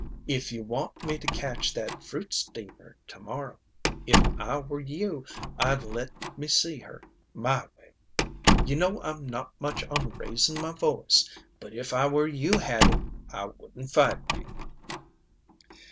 If you want me to catch that fruit steamer to morrow, if I were you I'd let me see her my way. You know I'm not much on raisin' my voice, but if I were you, Hattie, I wouldn't fight me."